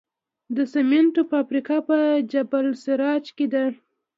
د سمنټو فابریکه په جبل السراج کې ده